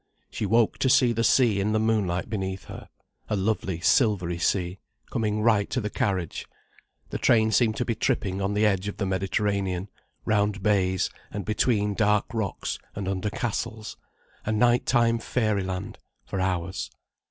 She woke to see the sea in the moonlight beneath her—a lovely silvery sea, coming right to the carriage. The train seemed to be tripping on the edge of the Mediterranean, round bays, and between dark rocks and under castles, a night time fairy land, for hours.